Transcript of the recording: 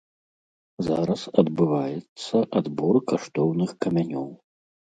Зараз адбываецца адбор каштоўных камянёў.